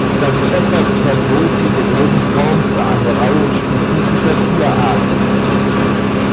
Das Edwards Plateau bietet Lebensraum für eine Reihe spezifischer Tierarten.